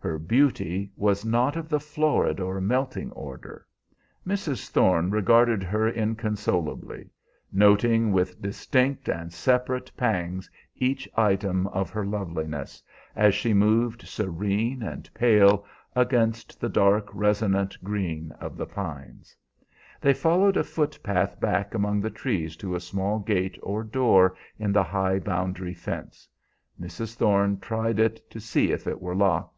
Her beauty was not of the florid or melting order. Mrs. Thorne regarded her inconsolably, noting with distinct and separate pangs each item of her loveliness, as she moved serene and pale against the dark, resonant green of the pines. They followed a foot path back among the trees to a small gate or door in the high boundary fence. Mrs. Thorne tried it to see if it were locked.